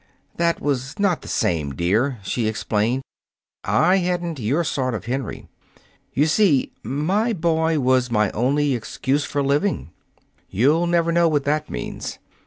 "That was not the same, dear," she explained. "I hadn't your sort of Henry. You see, my boy was my only excuse for living. You'll never know what that means.